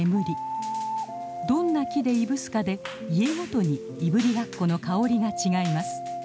どんな木でいぶすかで家ごとにいぶりがっこの香りが違います。